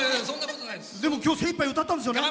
きょう、精いっぱい歌ったんですよね。